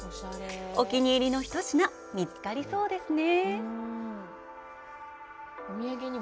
お気に入りの一品、見つかりそうですね。